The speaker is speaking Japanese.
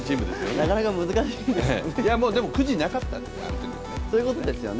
なかなか難しいですよね。